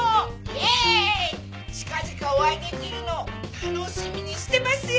近々お会いできるのを楽しみにしてますよ。